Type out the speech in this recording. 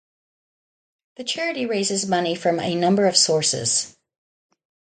The charity raises money from a number of sources.